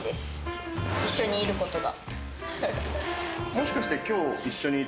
もしかして。